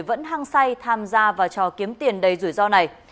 vẫn hăng say tham gia vào trò kiếm tiền đầy rủi ro này